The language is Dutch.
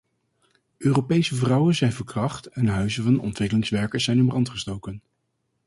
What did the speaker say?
Europese vrouwen zijn verkracht en huizen van ontwikkelingswerkers zijn in brand gestoken.